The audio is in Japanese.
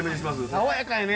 爽やかやね。